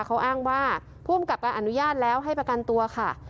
เขาอ้างว่าผู้อำกับการอนุญาตแล้วให้ประกันตัวค่ะ